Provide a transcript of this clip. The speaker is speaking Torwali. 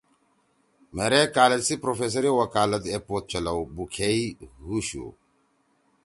مھیرے کالج سی پروفیسری او وکالت ایپود چلؤ بُوکھیئی ہُوشُو